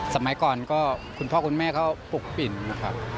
สมัยก่อนก็คุณพ่อคุณแม่เขาปลุกปิ่นนะครับ